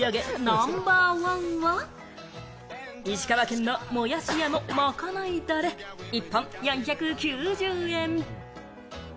ナンバーワンは、石川県のもやし屋のまかないダレ、１本４９０円。